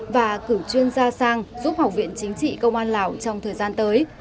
và cử chuyên gia sang giúp học viện chính trị công an lào trong thời gian tới